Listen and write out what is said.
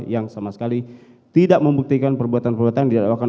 yang sama sekali tidak membuktikan perbuatan perbuatan yang didakwakan